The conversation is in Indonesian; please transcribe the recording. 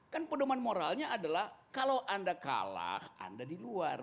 kan pedoman moralnya adalah kalau anda kalah anda di luar